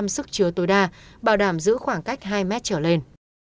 hai mươi năm sức chứa tối đa bảo đảm giữ khoảng cách hai mét trở lên